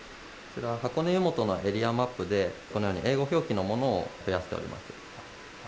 箱根湯本のエリアマップで英語表記のものを増やしております。